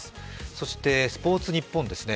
そして「スポーツニッポン」ですね。